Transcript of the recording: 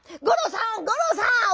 五郎さん五郎さん！